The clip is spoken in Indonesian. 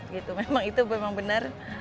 gitu memang itu benar